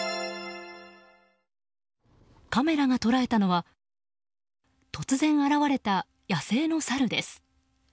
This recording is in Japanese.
カメラが捉えたのは突然、現れた野生のサルです。